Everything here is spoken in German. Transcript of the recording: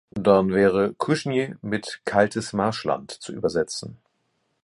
Dann wäre Cushnie mit „kaltes Marschland“ zu übersetzen.